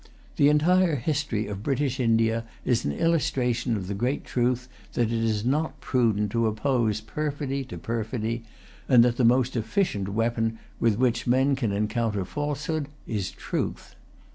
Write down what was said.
The entire history of British India is an illustration of the great truth, that it is not prudent to oppose perfidy to perfidy, and that the most efficient weapon with which men can encounter falsehood is truth.